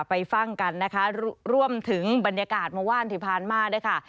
ไปฟังกันสำหรับบรรยากาศมหวัดที่ผ่านมานะค่ะ